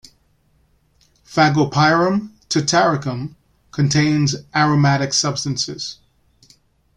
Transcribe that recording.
"Fagopyrum tataricum" contains aromatic substances.